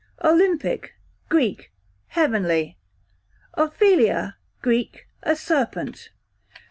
Olympic, Greek, heavenly. Ophelia, Greek, a serpent.